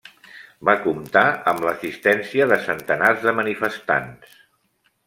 Va comptar amb l'assistència de centenars de manifestants.